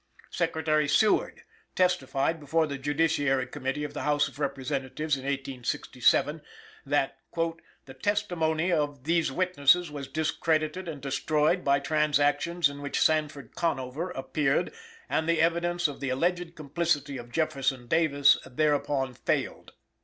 Secretary Seward testified before the Judiciary Committee of the House of Representatives, in 1867, that, "the testimony of these witnesses was discredited and destroyed by transactions in which Sanford Conover appeared and the evidence of the alleged complicity of Jefferson Davis thereupon failed."